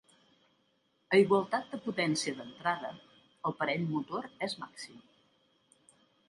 A igualtat de potència d'entrada, el parell motor és màxim.